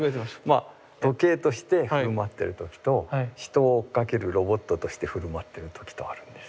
時計としてふるまってる時と人を追っかけるロボットとしてふるまってる時とあるんです。